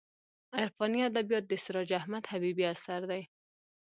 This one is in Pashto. عرفاني ادبیات د سراج احمد حبیبي اثر دی.